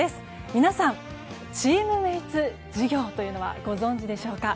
皆さん、チームメイツ事業というのはご存じでしょうか。